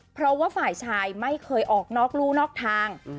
เพราะว่าฝ่ายชายไม่เคยออกนอกรู่นอกทาง